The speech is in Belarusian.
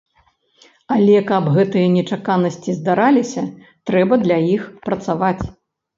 Але, каб гэтыя нечаканасці здараліся, трэба для іх працаваць.